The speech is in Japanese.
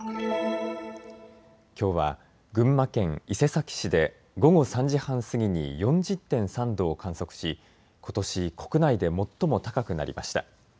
きょうは群馬県伊勢崎市で午後３時半過ぎに４０．３度を観測しことし国内で最も高くなりました。